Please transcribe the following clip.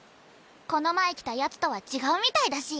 この前来たヤツとは違うみたいだし。